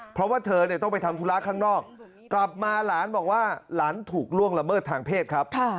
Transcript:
เพราะว่าเธอเนี่ยต้องไปทำธุระข้างนอกกลับมาหลานบอกว่าหลานถูกล่วงละเมิดทางเพศครับ